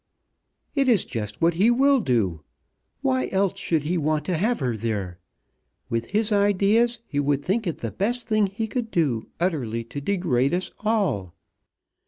"It is just what he will do. Why else should he want to have her there? With his ideas he would think it the best thing he could do utterly to degrade us all.